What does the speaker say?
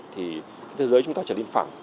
thì thế giới chúng ta trở nên phẳng